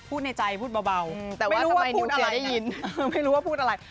พูดในใจพูดเบาไม่รู้ว่าพูดอะไรนะ